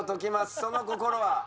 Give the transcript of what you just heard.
その心は？